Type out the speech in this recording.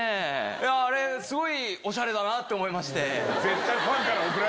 あれ、すごいおしゃれだなって思いまして。